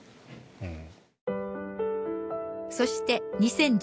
うん。